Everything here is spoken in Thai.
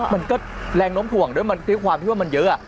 มันก็แรงน้มถ่วงด้วยความมันเยอะ